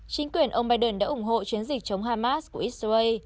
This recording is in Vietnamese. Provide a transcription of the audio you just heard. chính quyền ông biden đã ủng hộ chiến dịch chống hamas của israel